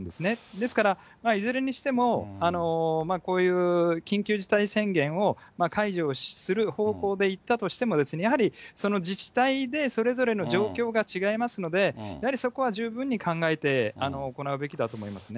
ですから、いずれにしてもこういう緊急事態宣言を解除する方向でいったとしてもやはりその自治体で、それぞれの状況が違いますので、やはりそこは十分考えて行うべきだと思いますね。